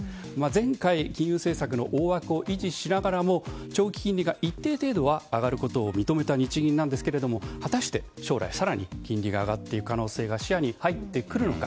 前回、金融政策の大枠を維持しながらも長期金利が一定程度上がることを認めた日銀ですがはたして将来更に金利が上がっていく可能性が視野に入ってくるのか。